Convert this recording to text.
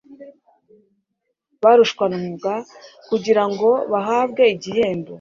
barushanwaga kugirango bahabwe igihembo